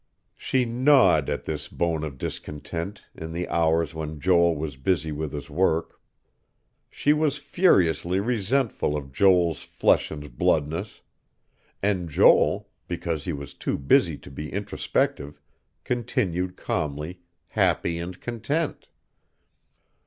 She gnawed at this bone of discontent, in the hours when Joel was busy with his work. She was furiously resentful of Joel's flesh and bloodness.... And Joel, because he was too busy to be introspective, continued calmly happy and content.